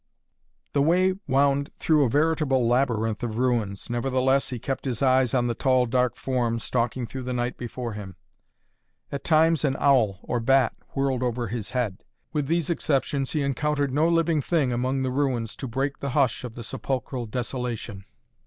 The way wound through a veritable labyrinth of ruins, nevertheless he kept his eyes on the tall dark form, stalking through the night before him. At times an owl or bat whirled over his head. With these exceptions he encountered no living thing among the ruins to break the hush of the sepulchral desolation.